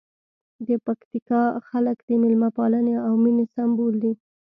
د پکتیکا خلک د مېلمه پالنې او مینې سمبول دي.